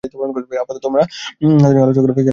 আপাতত আমরা তাদের সঙ্গে আলোচনা ছাড়া কোনো কাজ শুরু করব না।